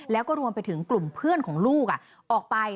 แล้วก็รวมไปถึงกลุ่มเพื่อนของลูกออกไป